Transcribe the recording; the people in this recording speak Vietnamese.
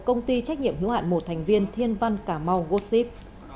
công ty trách nhiệm hữu hạn một thành viên thiên văn cà mau gốt ship